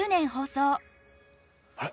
あれ？